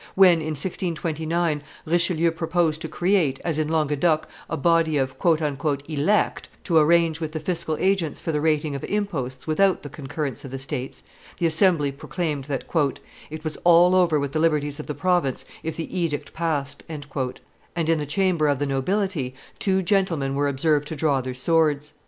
When, in 1629, Richelieu proposed to create, as in Languedoc, a body of "elect" to arrange with the fiscal agents for the rating of imposts without the concurrence of the states, the assembly proclaimed that "it was all over with the liberties of the province if the edict passed," and, in the chamber of the nobility, two gentlemen were observed to draw their swords.